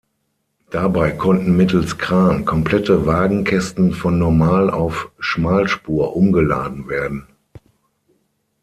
Dabei konnten mittels Kran komplette Wagenkästen von Normal- auf Schmalspur umgeladen werden.